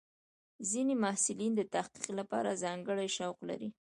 ځینې محصلین د تحقیق لپاره ځانګړي شوق لري.